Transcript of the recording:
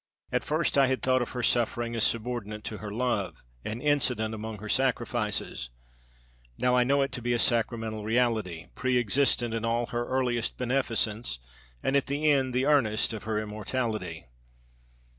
At first I had thought of her suffering as subordinate to her love, an incident among her sacrifices. Now I know it to be a sacramental reality, preëxistent in all her earlier beneficence and at the end the earnest of her immortality.